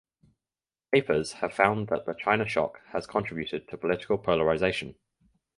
Papers have found that the China shock has contributed to political polarization.